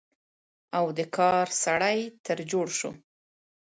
او د کار سړى تر جوړ شو،